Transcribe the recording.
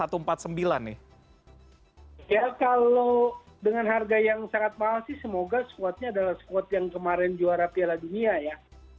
ya kalau dengan harga yang sangat mahal sih semoga squadnya adalah squad yang kemarin juara piala dunia ya